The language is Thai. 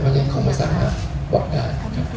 เพราะฉะนั้นเขาไม่สามารถบอกได้นะครับ